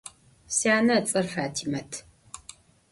Syane ıts'er Fat'imet.